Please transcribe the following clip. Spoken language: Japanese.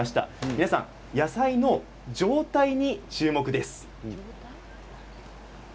皆さん野菜の状態に注目です。